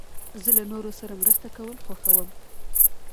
زه له نورو سره مرسته کول خوښوم.